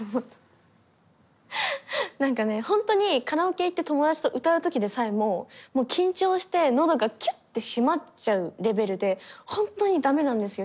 ほんとにカラオケ行って友達と歌うときでさえももう緊張して喉がキュッて締まっちゃうレベルでほんとに駄目なんですよ